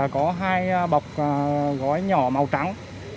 có hai bọc gói nhỏ màu trắng